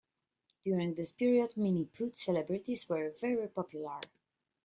During this period, Mini-putt celebrities were very popular.